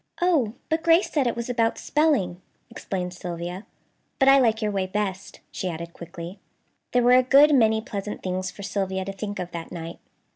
"Oh! But Grace said it was about spelling," explained Sylvia; "but I like your way best," she added quickly. There were a good many pleasant things for Sylvia to think of that night.